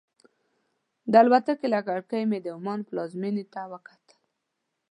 د الوتکې له کړکۍ مې د عمان پلازمېنې ته وکتل.